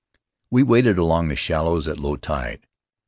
We waded along the shallows at low tide.